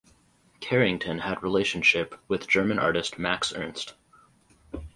Carrington had relationship with German artist Max Ernst.